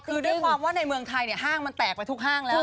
คือด้วยความว่าในเมืองไทยห้างมันแตกไปทุกห้างแล้ว